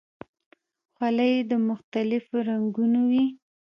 خولۍ د مختلفو رنګونو وي.